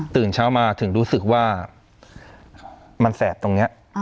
ตื่นเช้ามาถึงรู้สึกว่ามันแสบตรงนี้